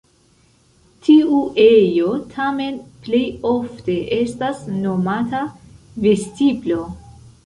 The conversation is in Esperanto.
Tiu ejo tamen plej ofte estas nomata vestiblo.